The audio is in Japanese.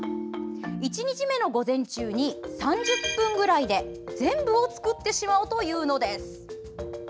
１日目の午前中に３０分ぐらいで全部を作ってしまおうというのです。